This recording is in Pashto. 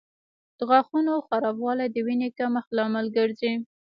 د غاښونو خرابوالی د وینې کمښت لامل ګرځي.